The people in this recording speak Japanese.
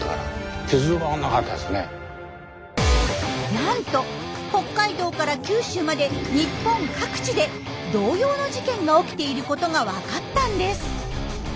なんと北海道から九州まで日本各地で同様の事件が起きていることがわかったんです。